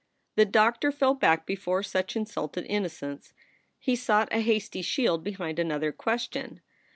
The doctor fell back before such insulted innocence. He sought a hasty shield behind another question.